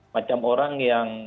macam orang yang